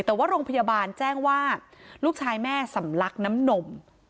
แต่ว่าโรงพยาบาลแจ้งว่าลูกชายแม่สำลักน้ำนม